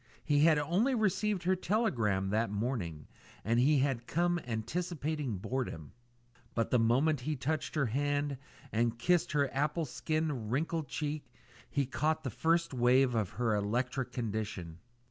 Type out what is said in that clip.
He had only received her telegram that morning, and he had come anticipating boredom; but the moment he touched her hand and kissed her apple skin wrinkled cheek, he caught the first wave of her electrical condition.